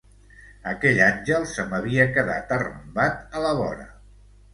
Aquell àngel se m’havia quedat arrambat a la vora.